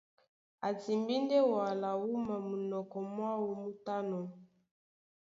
A timbí ndé wala wúma munɔkɔ mwáō mú tánɔ̄.